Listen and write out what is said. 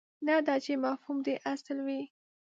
نه دا چې مفهوم دې اصل وي.